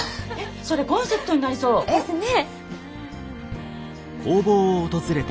それコンセプトになりそう！ですね！